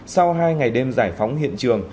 sau hai ngày đêm giải phóng hiện trường